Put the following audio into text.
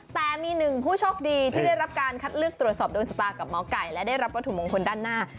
แต่มีหนึ่งผู้โชคดีที่ได้รับการคัดเลือกตรวจสอบโดนชะตากับหมอไก่และได้รับวัตถุมงคลด้านหน้า